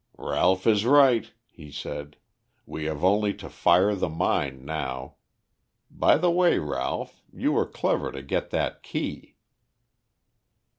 "Ralph is right," he said. "We have only to fire the mine now. By the way, Ralph, you were clever to get that key."